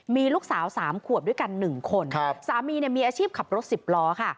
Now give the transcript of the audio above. มีลูกสาว๓ขวบด้วยกัน๑คนสามีเนี่ยมีอาชีพขับรถสิบล้อค่ะ